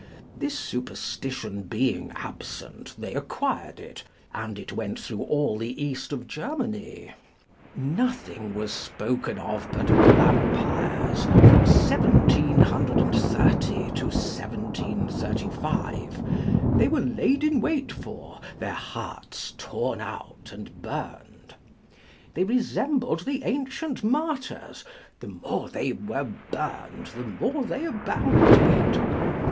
This superstition being absent, they acquired it, and it went through all the east of Germany. Nothing was spoken of but vampires, from 1730 to 1735; they were laid in wait for, their hearts torn out and burned. They resembled the ancient martyrs the more they were burned, the more they abounded.